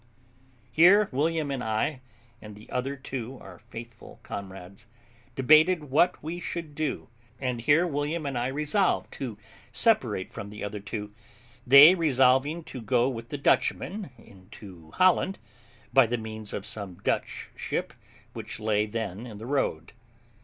Here William and I, and the other two, our faithful comrades, debated what we should do; and here William and I resolved to separate from the other two, they resolving to go with the Dutchman into Holland, by the means of some Dutch ship which lay then in the road.